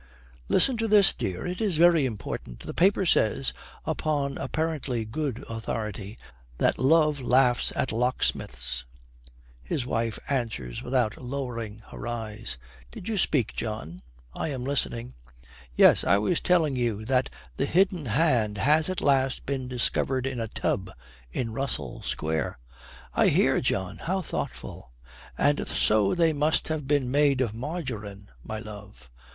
'Listen to this, dear. It is very important. The paper says, upon apparently good authority, that love laughs at locksmiths.' His wife answers without lowering her eyes. 'Did you speak, John? I am listening.' 'Yes, I was telling you that the Hidden Hand has at last been discovered in a tub in Russell Square.' 'I hear, John. How thoughtful.' 'And so they must have been made of margarine, my love.'